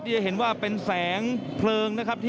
จะเห็นว่าเป็นแสงเพลิงนะครับ